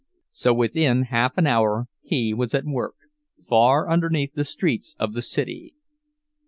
So within half an hour he was at work, far underneath the streets of the city.